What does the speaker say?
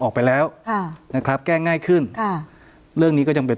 ออกไปแล้วค่ะนะครับแก้ง่ายขึ้นค่ะเรื่องนี้ก็ยังเป็น